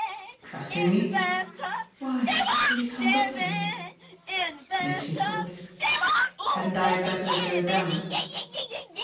"Trusting me?" "Why, if he comes up to you." Mitchy thought. "Hadn't I better go down?"